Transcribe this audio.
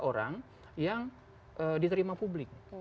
orang yang diterima publik